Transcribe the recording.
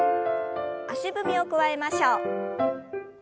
足踏みを加えましょう。